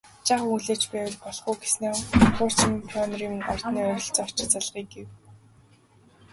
Жаахан хүлээж байвал болох уу гэснээ хуучин Пионерын ордны ойролцоо очоод залгая гэв